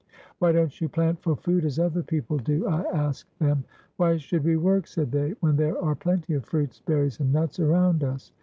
"Why don't you plant for food, as other people do?" I asked them. "Why should we work," said they, "when there are plenty of fruits, berries, and nuts around us?